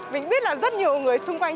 mình biết là rất nhiều người xung quanh